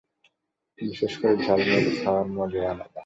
বিশেষ করে ঝালমুড়ি খাওয়ার মজাই আলাদা।